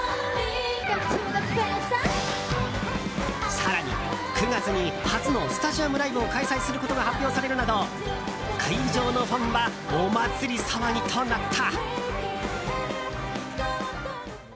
更に、９月に初のスタジアムライブを開催することが発表されるなど会場のファンはお祭り騒ぎとなった。